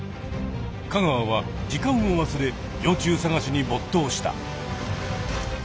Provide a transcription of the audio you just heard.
香川は時間を忘れ幼虫探しにぼっとうした。